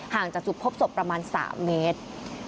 จากจุดพบศพประมาณ๓เมตร